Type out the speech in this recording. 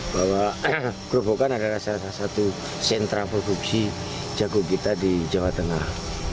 bahwa gerobokan adalah salah satu sentra produksi jagung kita di jawa tengah